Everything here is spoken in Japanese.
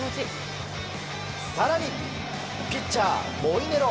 更にピッチャー、モイネロ。